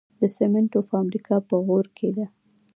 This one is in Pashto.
د سمنټو فابریکه په غوري کې ده